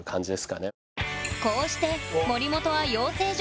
こうして森本は養成所